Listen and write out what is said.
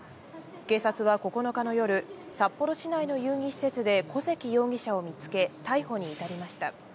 警察は９日の夜、札幌市内の遊戯施設で小関容疑者を見つけ、逮捕に至りました。